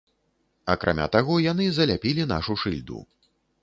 Акрамя таго яны заляпілі нашу шыльду.